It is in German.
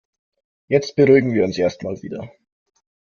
Jetzt beruhigen wir uns erst mal wieder.